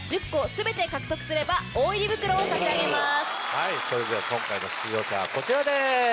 はいそれでは今回の出場者はこちらです。